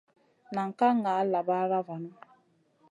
Nan ka ŋa labaɗa vanu.